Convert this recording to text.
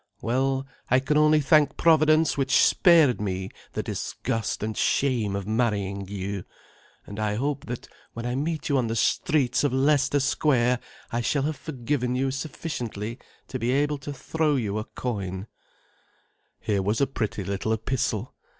Well, I can only thank Providence which spared me the disgust and shame of marrying you, and I hope that, when I meet you on the streets of Leicester Square, I shall have forgiven you sufficiently to be able to throw you a coin—" Here was a pretty little epistle!